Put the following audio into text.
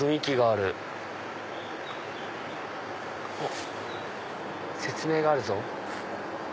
あっ説明があるぞ。